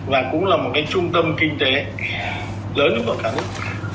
và cũng là một cái trung tâm kinh tế lớn của cả nước